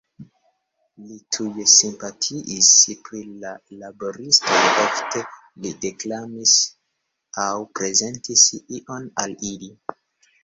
Li tuj simpatiis pri la laboristoj, ofte li deklamis aŭ prezentis ion al ili.